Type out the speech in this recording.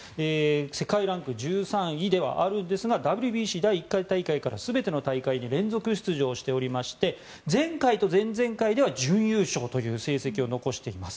世界ランク１３位ではあるんですがＷＢＣ１回大会から全ての大会に連続出場しておりまして前回と前々回では準優勝という成績を残しています。